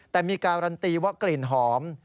แต่มีการันตีว่ากลิ่นหอม